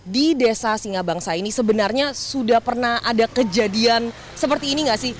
di desa singa bangsa ini sebenarnya sudah pernah ada kejadian seperti ini gak sih